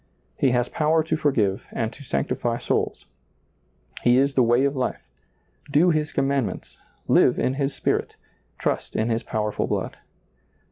He has power to forgive and to sanctify souls ; He is the way of life ; do Hts commandments, live in His spirit, trust in His powerful blood.